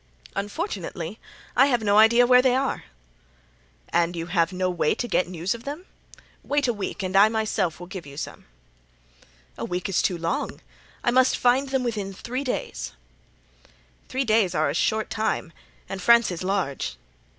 "Unfortunately, I have no idea where they are." "And you have no way to get news of them? Wait a week and I myself will give you some." "A week is too long. I must find them within three days." "Three days are a short time and France is large."